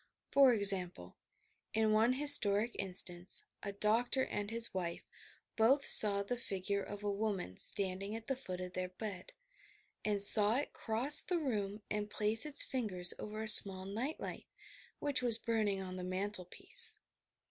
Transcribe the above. For ex ample: In one historic instance, a doctor and his wife APPAEITIONS 239 both saw the figure of a woman standing at the fcwt of their bed, and saw it cross the room and plaee its fingers over a small night light, which was burning on the mantelpiece.